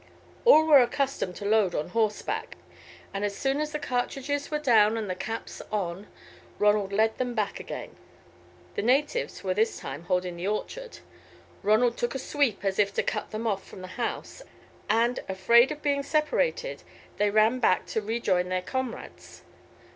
All were accustomed to load on horseback, and as soon as the cartridges were down and the caps on, Ronald led them back again. The natives were this time holding the orchard. Ronald took a sweep as if to cut them off from the house, and, afraid of being separated, they ran back to rejoin their comrades.